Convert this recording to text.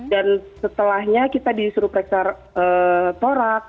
dan setelahnya kita disuruh preksar torak